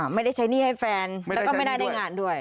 ไม่ได้ใช้หนี้ให้แฟนแล้วก็ไม่ได้ได้งานด้วย